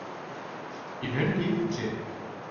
ইভেন্টটি J.